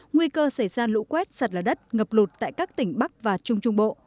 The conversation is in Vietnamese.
nguy cơ xảy ra lũ quét sạt lở đất ngập lụt tại các tỉnh bắc và trung trung bộ